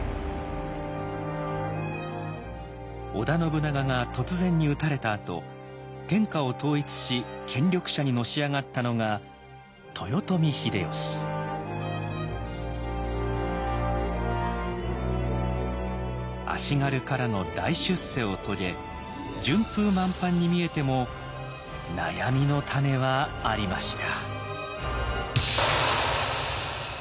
織田信長が突然に討たれたあと天下を統一し権力者にのし上がったのが足軽からの大出世を遂げ順風満帆に見えても悩みのタネはありました。